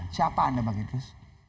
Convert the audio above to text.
siapa anda bang idrus